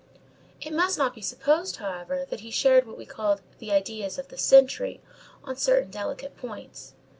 It must not be supposed, however, that he shared what we call the "ideas of the century" on certain delicate points.